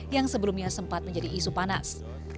yang sebelumnya sempat menjadi isu panas